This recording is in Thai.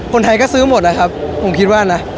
คนไทยก็ซื้อหมดนะครับผมคิดว่านะ